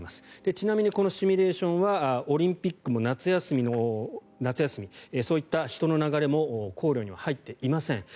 ちなみにこのシミュレーションはオリンピックや夏休みそういった人の流れも考慮には入っていません。